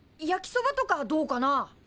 焼きそばとかどうかな？